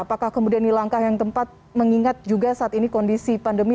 apakah kemudian ini langkah yang tepat mengingat juga saat ini kondisi pandemi